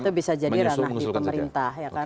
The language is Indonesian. itu bisa jadi ranah di pemerintah ya kan